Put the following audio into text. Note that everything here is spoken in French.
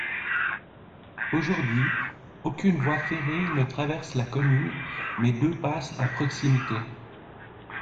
Aujourd'hui, aucune voie ferrée ne traverse la commune mais deux passent à proximité.